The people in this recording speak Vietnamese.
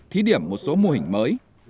thí điểm một số mô hình mới